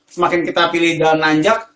semakin kita pilih dan nanjak